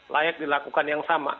layak dilakukan yang sama